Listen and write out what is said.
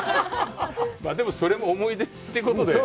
でも、それも思い出ってことで。